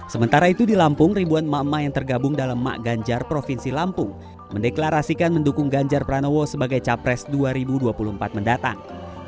sementara itu di lampung ribuan emak emak yang tergabung dalam mak ganjar provinsi lampung mendeklarasikan mendukung ganjar pranowo sebagai capres dua ribu dua puluh empat mendatang